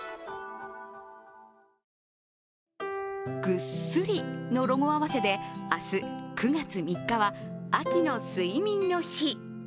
ぐっすりの語呂合わせで明日、９月３日は秋の睡眠の日。